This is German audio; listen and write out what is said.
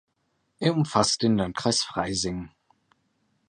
Er umfasst den Landkreis Freising.